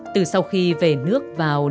từ sau khi về nước hà nội